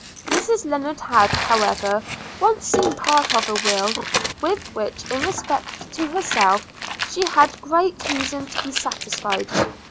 Mrs Lennard had, however, once seen part of a will – with which in respect to herself, she had great reason to be satisfied.